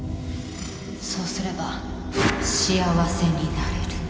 そうすれば幸せになれる。